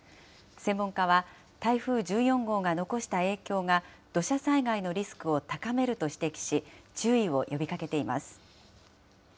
専門家は、台風１４号が残した影響が、土砂災害のリスクを高めると指摘し、注意を呼びかけています。